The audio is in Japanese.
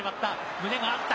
胸が合った。